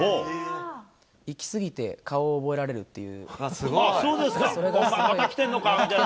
行き過ぎて、顔を覚えられるっていう。